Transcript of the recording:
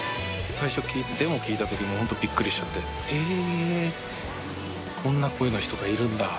最初聴いたデモ聴いた時にホントびっくりしちゃって「え」って「こんな声の人がいるんだ」